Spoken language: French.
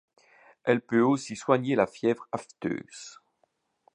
Elle peut aussi soigner la fièvre aphteuse.